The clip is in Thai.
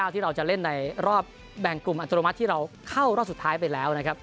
ที่เราจะเล่นในรอบแบ่งกลุ่มอัตโนมัติที่เราเข้ารอบสุดท้ายไปแล้วนะครับ